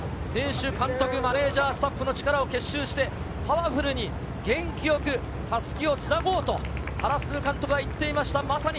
選手、監督、マネジャー、スタッフの力を結集して、パワフルに元気よく襷をつなごうと原晋監督は言っていました。